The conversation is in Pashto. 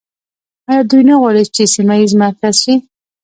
آیا دوی نه غواړي چې سیمه ییز مرکز شي؟